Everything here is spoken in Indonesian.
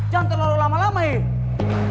jangan terlalu lama lama ya